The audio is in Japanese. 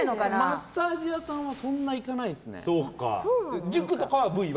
マッサージ屋さんはそんな行かないですね。